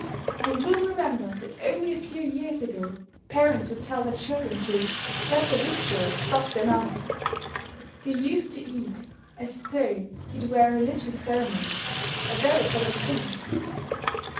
You will remember that only a few years ago parents would tell their children to "let their victuals stop their mouths." They used to eat as though it were a religious ceremony a very solemn thing.